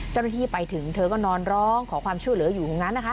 เจ้าหน้าที่ไปถึงเธอก็นอนร้องขอความช่วยเหลืออยู่ตรงนั้นนะคะ